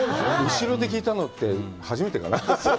後ろで聞いたのって初めてかな？